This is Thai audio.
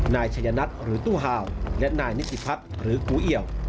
นายชัยนัทหรือตู้ห่าวและนายนิติพัฒน์หรือกูเอี่ยว